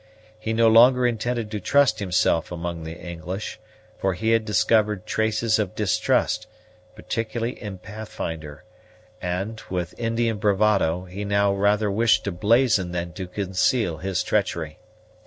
He no longer intended to trust himself among the English, for he had discovered traces of distrust, particularly in Pathfinder; and, with Indian bravado, he now rather wished to blazon than to conceal his treachery.